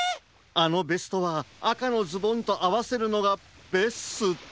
あのベストはあかのズボンとあわせるのがベスト。